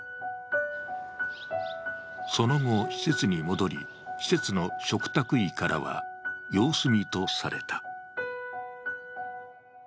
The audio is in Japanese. その後、施設に戻り、施設の嘱託医からは様子見とされた。